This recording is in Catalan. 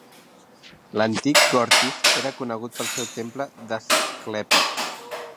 L'antic Gortys era conegut pel seu temple d'Asclepi.